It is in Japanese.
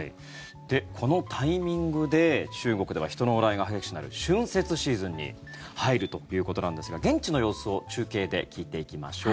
このタイミングで中国では、人の往来が激しくなる春節シーズンに入るということなんですが現地の様子を中継で聞いていきましょう。